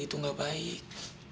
itu tidak baik